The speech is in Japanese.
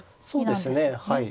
そうですねはい。